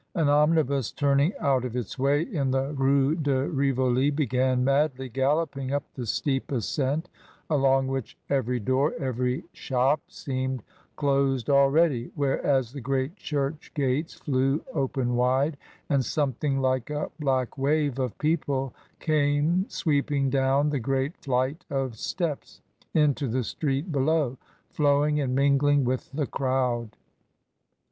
An omnibus, turning out of its way in the Rue de Rivoli, began madly galloping up the steep ascent, along which every door, every shop, seemed closed already, whereas the great church gates flew open wide, and something like a black wave of people came sweeping down the great flight of steps into the street below, flowing and mingling with the crowd.